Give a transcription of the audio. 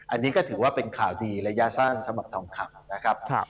อันนี้ก็ถือว่าเป็นข่าวดีระยะสั้นสำหรับทองคำนะครับ